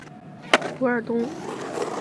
韦尔东。